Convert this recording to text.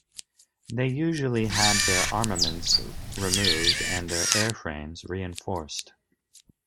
They usually had their armaments removed and their airframes reinforced.